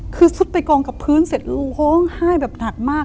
คือซุดไปกองกับพื้นเสร็จลูกร้องไห้แบบหนักมาก